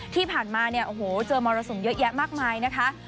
ที่ผ่านมาเนี่ยโอ้โหเจอมรสุมเยอะแยะมากมายนะคะ